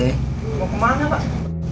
mau kemana pak